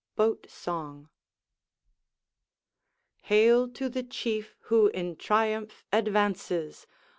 Boat Song Hail to the Chief who in triumph advances!